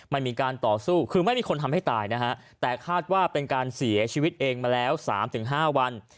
ไม่มีการต่อสู้คือไม่มีคนทำให้ตายนะฮะแต่คาดว่าเป็นการเสียชีวิตเองมาแล้ว๓๕วัน